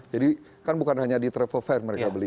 jadi kan bukan hanya di travel fair mereka beli